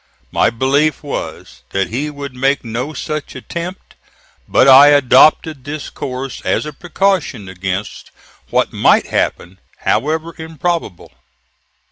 My belief was that he would make no such attempt; but I adopted this course as a precaution against what might happen, however improbable.